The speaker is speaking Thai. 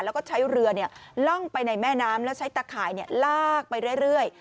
แล้วก็ใช้เรือล่องไปในแม่น้ำแล้วใช้ตะข่ายลากไปเรื่อย